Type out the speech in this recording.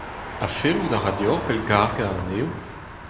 Ha fellout a ra deoc'h pellgargañ anezho ?